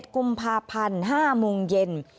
กุมภาพันธ์๕โมงเย็น